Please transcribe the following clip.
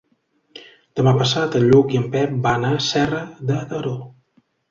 Demà passat en Lluc i en Pep van a Serra de Daró.